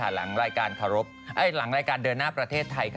หลังรายการเดินหน้าที่ประเทศไทย